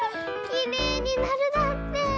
「きれいになる」だって！